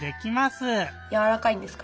やわらかいんですか？